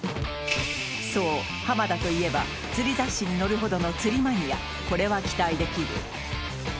そう田といえば釣り雑誌に載るほどこれは期待できる！